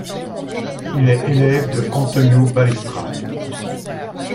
Il est élève de Antonio Balestra.